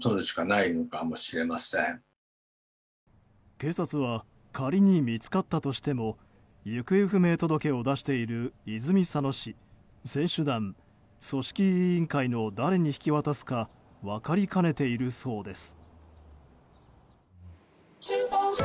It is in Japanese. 警察は仮に見つかったとしても行方不明届を出している泉佐野市選手団、組織委員会の誰に引き渡すか分かりかねているそうです。